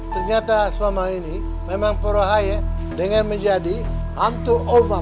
ternyata suami ini memang rohayeh dengan menjadi hantu roma belanda